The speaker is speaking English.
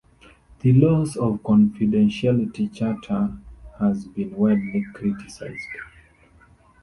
The loss of the confidentiality charter has been widely criticised.